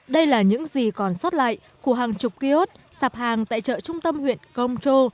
đây là những gì còn sót lại của hàng chục kiốt sạp hàng tại trợ trung tâm huyện kongcho